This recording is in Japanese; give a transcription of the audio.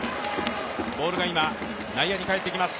ボールが内野に返ってきます。